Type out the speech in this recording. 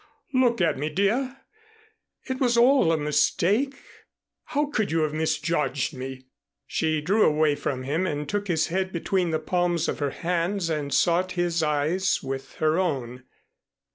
Look at me, dear. It was all a mistake. How could you have misjudged me?" She drew away from him and took his head between the palms of her hands and sought his eyes with her own.